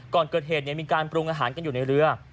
ก่อนเกิดเหตุมีการปรุงอาหารกันอยู่ในเรือ